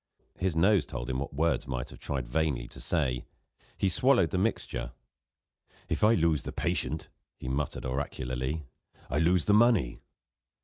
His nose told him what words might have tried vainly to say: he swallowed the mixture. "If I lose the patient," he muttered oracularly, "I lose the money."